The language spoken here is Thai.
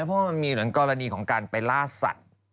เพราะมันมีกรณีของการไปลาสัตต์